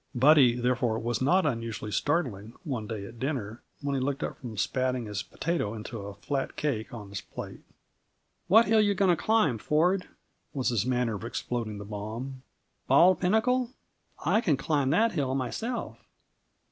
Buddy, therefore, was not unusually startling, one day at dinner, when he looked up from spatting his potato into a flat cake on his plate. "What hill you going to climb, Ford?" was his manner of exploding his bomb. "Bald pinnacle? I can climb that hill myself."